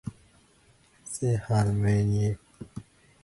They had many wonderful things to teach Earthlings about time.